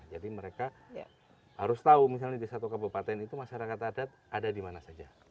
jadi mereka harus tahu misalnya di satu kabupaten itu masyarakat adat ada di mana saja